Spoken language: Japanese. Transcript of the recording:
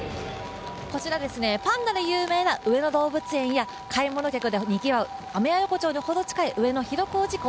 こちら、パンダで有名な上野動物園や、買い物客で賑わうアメヤ横丁で賑わう上野です。